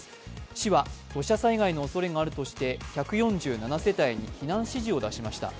市は土砂災害のおそれがあるとして１４７世帯に避難指示を出しました。